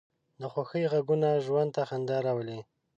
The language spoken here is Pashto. د خوښۍ غږونه ژوند ته خندا راولي